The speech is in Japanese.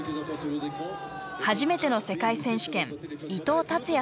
初めての世界選手権伊藤竜也選手。